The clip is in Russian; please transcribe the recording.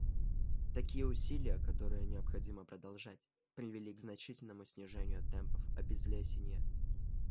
Такие усилия, которые необходимо продолжать, привели к значительному снижению темпов обезлесения.